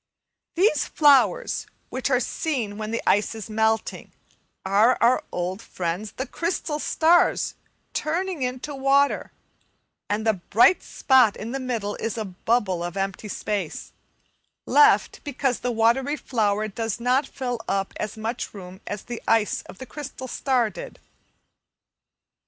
These flowers, which are seen when the ice is melting, are our old friends the crystal stars turning into water, and the bright spot in the middle is a bubble of empty space, left because the watery flower does not fill up as much room as the ice of the crystal star did.